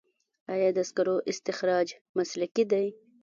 آیا د سکرو استخراج مسلکي دی؟